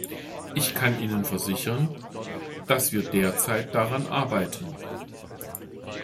Ich kann Ihnen versichern, dass wir derzeit daran arbeiten.